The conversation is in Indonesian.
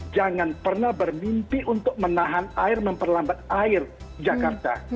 jangan pernah bermimpi untuk menahan air memperlambat air jakarta